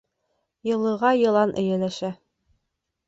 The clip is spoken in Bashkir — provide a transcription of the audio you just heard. Йылыға йылан эйәләшә.